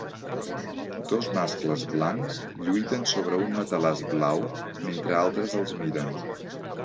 Dos mascles blancs lluiten sobre un matalàs blau mentre altres els miren